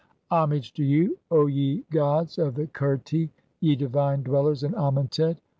203 "Homage to you, O ye gods of the Qerti , (2) ye divine "dwellers in Amentet!